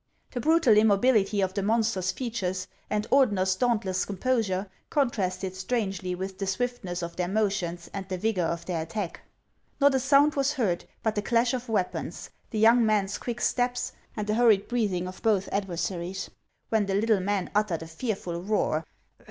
The brutal immobility of the monster's features, and Or dener's dauntless composure contrasted strangely with the swiftness of their motions and the vigor of their attack. Xot a sound was heard but the clash of weapons, the young man's quick steps, and the hurried breathing of both adversaries, when the little man uttered a fearful roar.